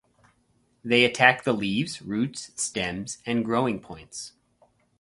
They attack the leaves, roots, stems, and growing points.